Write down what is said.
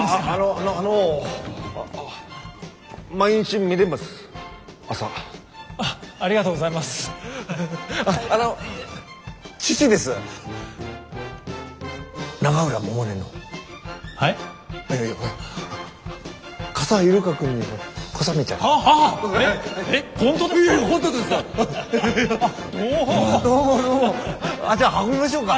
ああじゃあ運びましょうか。